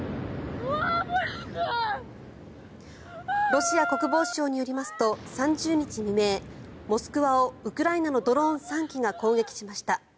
ロシア国防省によりますと３０日未明モスクワをウクライナのドローン３機が攻撃しました。